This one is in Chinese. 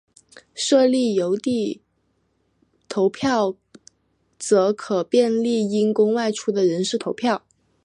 设立邮递投票则可便利因公外出的人士投票。